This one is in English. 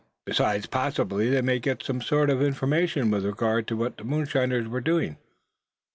Besides, possibly they might get some sort of information with regard to what the moonshiners were doing.